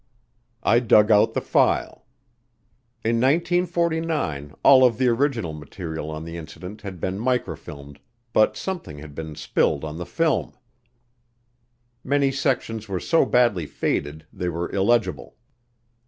I dug out the file. In 1949 all of the original material on the incident had been microfilmed, but something had been spilled on the film. Many sections were so badly faded they were illegible.